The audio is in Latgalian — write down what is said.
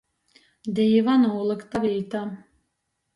Dīva nūlykta vīta.